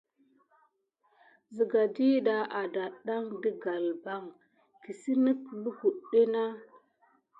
Sigan ɗiɗa ada kidan ɗe gəban kesinki, lukutu nà.